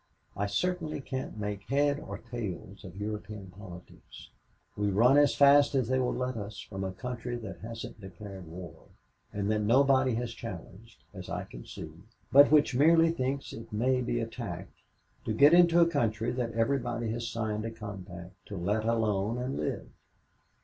"I certainly can't make head or tail of European politics. We run as fast as they will let us from a country that hasn't declared war and that nobody has challenged, as I can see, but which merely thinks it may be attacked, to get into a country that everybody has signed a compact to let alone and live.